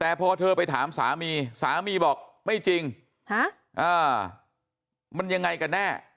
แต่พอเธอไปถามสามีสามีบอกไม่จริงมันยังไงกันแน่